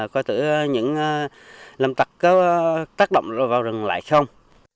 coi tử những lâm tặc có tác động vào rừng lại không